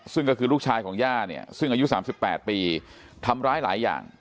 ซึ่งก็คือลูกชายของย่าเนี่ยซึ่งอายุ๓๘ปีทำร้ายหลายอย่าง